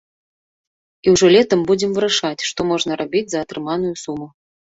І ўжо летам будзем вырашаць, што можна рабіць за атрыманую суму.